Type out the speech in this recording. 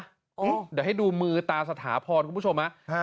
เดี๋ยวให้ดูมือตาสถาพรคุณผู้ชมฮะ